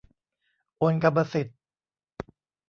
โอนกรรมสิทธิ์